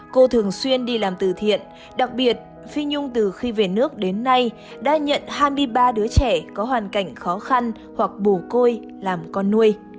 cô thường xuyên đi làm từ thiện đặc biệt phi nhung từ khi về nước đến nay đã nhận hai mươi ba đứa trẻ có hoàn cảnh khó khăn hoặc bổ côi làm con nuôi